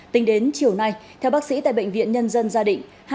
tính đến chiều nay theo bác sĩ tại bệnh viện nhân dân gia đình